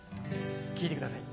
聴いてください